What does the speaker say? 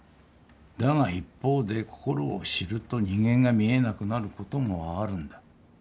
だが一方で心を知ると人間が見えなくなることもあるんだ。